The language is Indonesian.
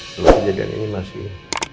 kalau kejadian ini masih